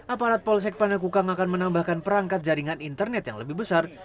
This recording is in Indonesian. aparat polsek panakukang akan menambahkan perangkat jaringan internet yang lebih besar